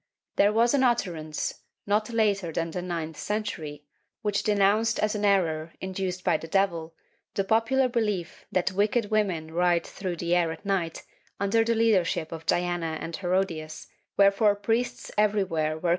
There was an utterance, not later than the ninth century, which denounced as an error, induced by the devil, the popular behef that wicked women ride through the air at night under the leadership of Diana and Herodias, wherefore priests everywhere were commanded to 1 Raynald.